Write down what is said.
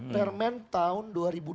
permen tahun dua ribu dua puluh